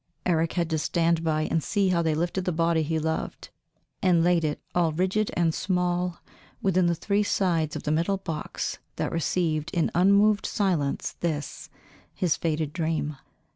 Eric had to stand by and see how they lifted the body he loved, and laid it, all rigid and small, within the three sides of the metal box that received in unmoved silence this, his faded dream.